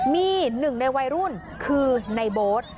มีหนึ่งในวัยรุ่นคือในโบ๊ท